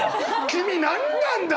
君何なんだ！